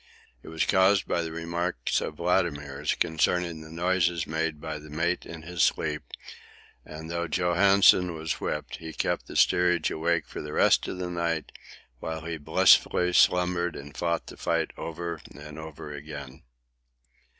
It was caused by remarks of Latimer's concerning the noises made by the mate in his sleep, and though Johansen was whipped, he kept the steerage awake for the rest of the night while he blissfully slumbered and fought the fight over and over again.